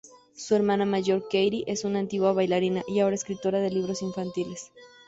Su hermana mayor, Katie, es una antigua bailarina y ahora escritora de libros infantiles.